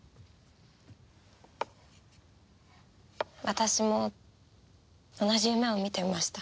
私も同じ夢を見ていました。